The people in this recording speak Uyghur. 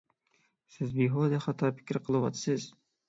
سىز بىھۇدە خاتا پىكىر قىلىۋاتىسىز!